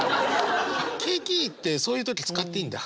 「景気いい」ってそういう時使っていいんだ？